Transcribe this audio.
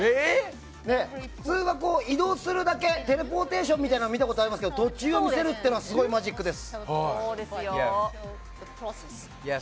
移動するだけテレポーテーションみたいなのは見たことありますが途中を見せるのはすごいマジックです。